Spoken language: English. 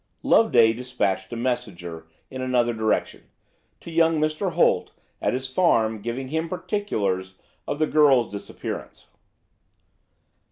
Loveday dispatched a messenger in another direction–to young Mr. Holt, at his farm, giving him particulars of the girl's disappearance.